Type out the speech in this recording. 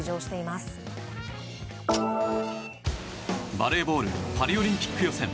バレーボールパリオリンピック予選。